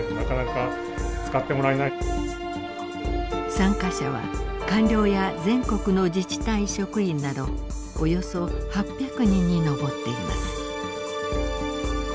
参加者は官僚や全国の自治体職員などおよそ８００人に上っています。